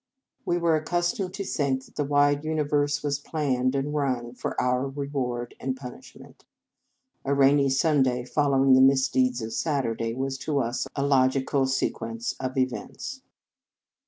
We were accustomed to think that the wide universe was planned and run for our reward and punishment. A rainy Sunday following the mis deeds of Saturday was to us a logical sequence of events.